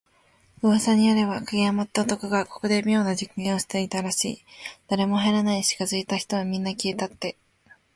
噂によれば、影山って男がここで妙な実験をしてたらしい。誰も入らないし、近づいた人はみんな…消えたって。